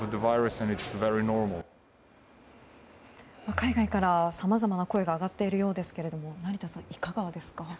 海外からはさまざまな声が上がっているようですが成田さん、いかがですか？